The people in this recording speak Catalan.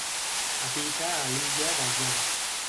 Habita a l'illa de Java.